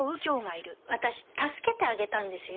私助けてあげたんですよ。